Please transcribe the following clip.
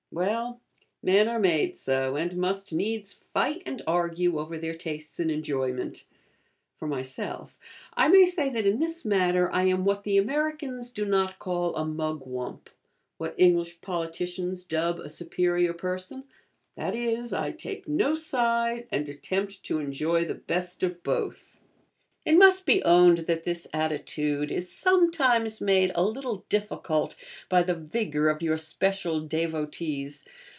Well, men are made so, and must needs fight and argue over their tastes in enjoyment. For myself, I may say that in this matter I am what the Americans do not call a 'Mugwump,' what English politicians dub a 'superior person' that is, I take no side, and attempt to enjoy the best of both. It must be owned that this attitude is sometimes made a little difficult by the vigour of your special devotees.